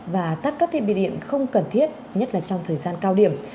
và tắt các thiết bị điện không cần thiết nhất là trong thời gian cao điểm